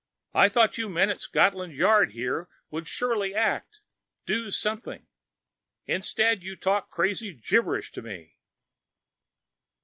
I thought you men at Scotland Yard here would surely act, do something. Instead you talk crazy gibberish to me!"